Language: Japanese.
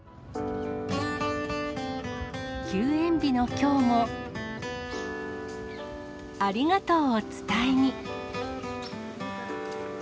休園日のきょうも、ありがとうを伝えに。